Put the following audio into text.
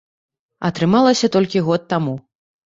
Атрымалася толькі год таму.